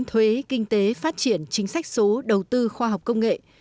thuế kinh tế phát triển chính sách số đầu tư khoa học công nghệ